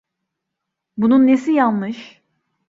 Bunun nesi yanlış?